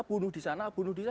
bunuh di sana